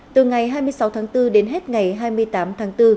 từ ngày hai mươi sáu tháng bốn đến hết ngày hai mươi tám tháng bốn